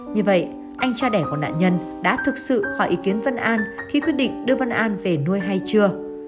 như vậy anh cha đẻ của nạn nhân đã thực sự hỏi ý kiến vân an khi quyết định đưa văn an về nuôi hay chưa